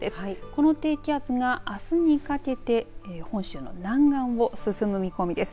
この低気圧があすにかけて本州の南岸を進む見込みです。